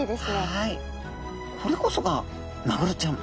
はいこれこそがマグロちゃん。